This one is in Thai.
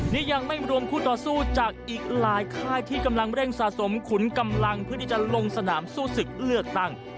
นี่ยังไม่รวมคู่ต่อสู้จากอีกหลายค่ายที่กำลังเร่งสะสมขุนกำลังเพื่อที่จะลงสนามสู้ศึกเลือกตั้ง